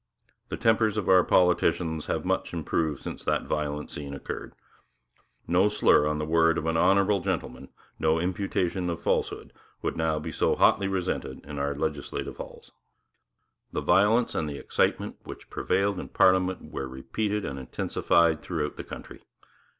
The tempers of our politicians have much improved since that violent scene occurred. No slur on the word of an honourable gentleman, no imputation of falsehood, would now be so hotly resented in our legislative halls. The violence and the excitement which prevailed in parliament were repeated and intensified throughout the country.